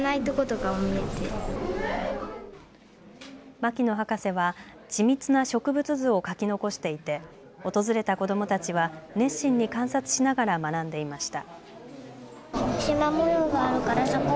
牧野博士は緻密な植物図を描き残していて訪れた子どもたちは熱心に観察しながら学んでいました。